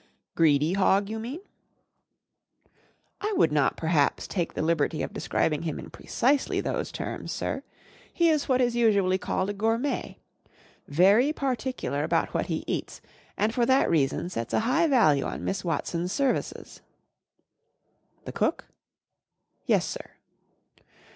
" I would not, perhaps, take the liberty of describing him in precisely those terms, sir. He is what is usually called a gourmet. Very particular about what he eats p and for that reason sets a high value on Miss Watson's services." 41 The cook ?"" Yes, sir."